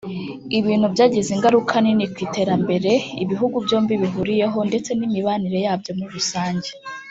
ibintu byagize ingaruka nini ku iterambere ibihugu byombi bihuriyeho ndetse n’imibanire yabyo muri rusange